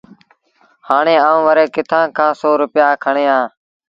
هآڻي آئوݩ وري ڪٿآݩ کآݩ سو روپيآ کڻيٚ آݩ